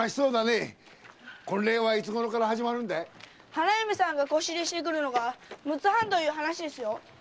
花嫁さんが輿入れしてくるのが六ツ半という話ですよ。